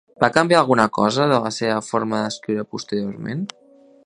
Va canviar alguna cosa de la seva forma d'escriure posteriorment?